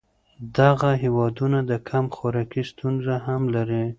دغه هېوادونه د کم خوراکۍ ستونزه هم لري.